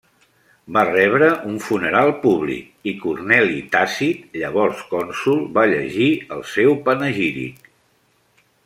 Va rebre un funeral públic i Corneli Tàcit, llavors cònsol, va llegir el seu panegíric.